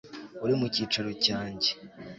uri mu cyicaro cyanjye